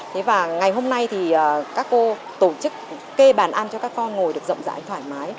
thế và ngày hôm nay thì các cô tổ chức kê bàn ăn cho các con ngồi được rộng rãi thoải mái